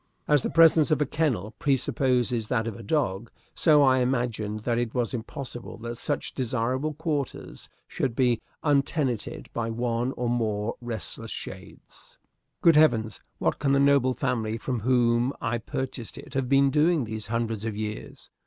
As the presence of a kennel presupposes that of a dog, so I imagined that it was impossible that such desirable quarters should be untenanted by one or more restless shades. Good heavens, what can the noble family from whom I purchased it have been doing these hundreds of years!